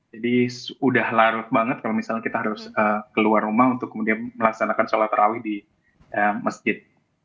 jadi sudah larut banget kalau misalnya kita harus keluar rumah untuk kemudian melaksanakan sholat terawih di masjid